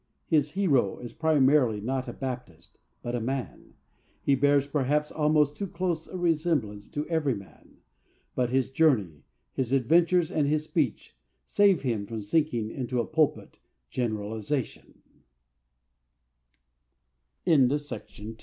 His hero is primarily not a Baptist, but a man. He bears, perhaps, almost too close a resemblance to Everyman, but his journey, his adventures and his speech save him from sinking into a pulpit generalization.